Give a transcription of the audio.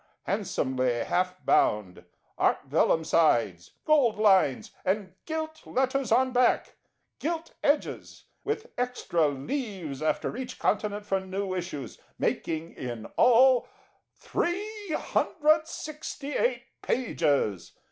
4. Handsomely half bound, Art Vellum sides, gold lines and gilt letters on back, gilt edges, with extra leaves after each continent for new issues, making in, all 368 pages.